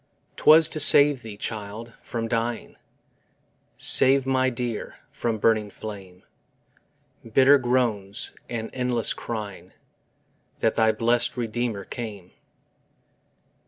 'Twas to save thee, child, from dying, Save my dear from burning flame, Bitter groans and endless crying, That thy blest Redeemer came.